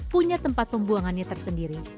punya tempat pembuangannya tersendiri